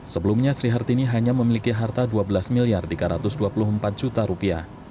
sebelumnya sri hartini hanya memiliki harta rp dua belas tiga ratus dua puluh empat